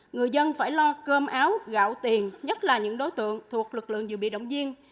người dân phải lo cơm áo gạo tiền nhất là những đối tượng thuộc lực lượng dự bị động viên